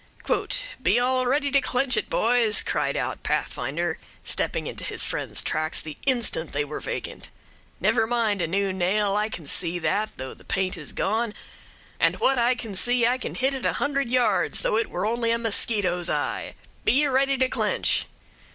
"'Be all ready to clench it, boys!' cried out Pathfinder, stepping into his friend's tracks the instant they were vacant. 'Never mind a new nail; I can see that, though the paint is gone, and what I can see I can hit at a hundred yards, though it were only a mosquito's eye. Be ready to clench!'